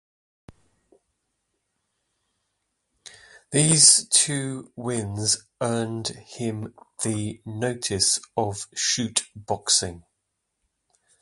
These two wins earned him the notice of Shoot Boxing.